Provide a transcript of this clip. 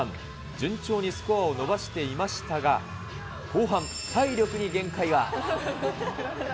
順調にスコアを伸ばしていましたが、後半、体力に限界が。